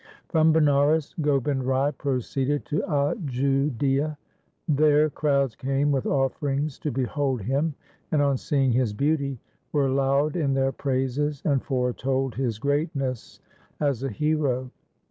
From Banaras Gobind Rai proceeded to Ajudhia. There crowds came with offerings to behold him, and on seeing his beauty were loud in their praises and foretold his greatness as a hero.